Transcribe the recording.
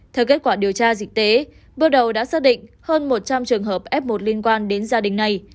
theo kết quả điều tra dịch tế bước đầu đã xác định hơn một trăm linh trường hợp f một liên quan đến gia đình này